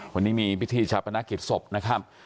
วันนี้มีพิธีชาปนกิจศพนะครับ